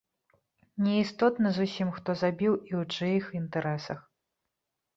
Не істотна зусім, хто забіў і ў чыіх інтарэсах.